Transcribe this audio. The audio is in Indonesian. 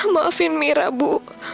maafin ameran ibu